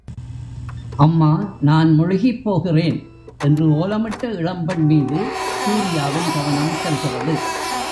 அம்மா நான் முழுகிப் போகிறேன்! என்று ஓலமிட்ட இளம்பெண்மீது சூர்யாவின் கவனம் செல்கிறது.